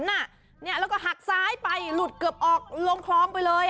แล้วก็หักซ้ายไปหลุดเกือบออกลงคลองไปเลย